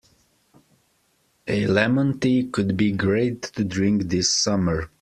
A lemon tea could be great to drink this summer.